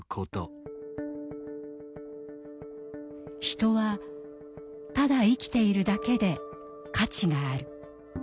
人はただ生きているだけで価値がある。